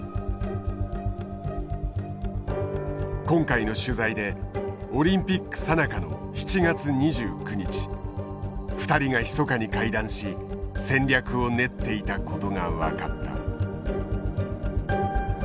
今回の取材でオリンピックさなかの７月２９日２人がひそかに会談し戦略を練っていたことが分かった。